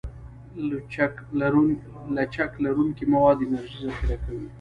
لچک لرونکي مواد انرژي ذخیره کوي.